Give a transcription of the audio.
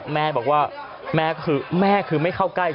แม่บอกว่าแม่คือไม่เข้าใกล้